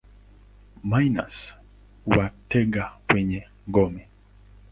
Minus huwatega kwenye ngome.